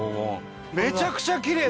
めちゃくちゃきれい！